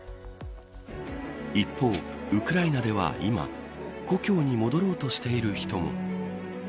一方、ウクライナでは今故郷に戻ろうとしている人も。